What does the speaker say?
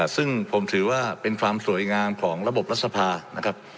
ซึ่งผมถือว่าเป็นความสวยงามของระบบรัฐสภานะครับ